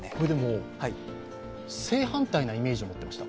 正反対なイメージを持っていました。